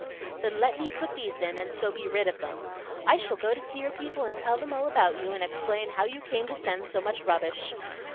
"Then let me put these in, and so be rid of them. I shall go to see your people and tell them all about you, and explain how you came to send so much rubbish."